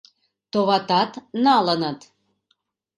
Товатат, налыныт!..